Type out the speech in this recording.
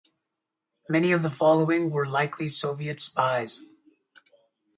Many of the following were likely Soviet spies.